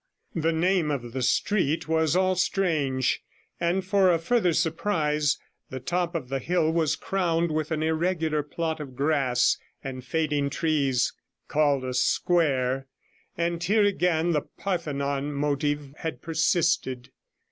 The name of the street was all strange, and for a further surprise the top of the hill was crowned with an irregular plot of grass and fading trees, called a square, and here again the Parthenon motive had persisted.